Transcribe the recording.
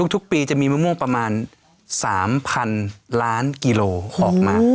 ทุกปีจะมีมะม่วงประมาณ๓๐๐๐ล้านกิโลออกมา